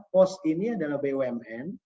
pos ini adalah bumn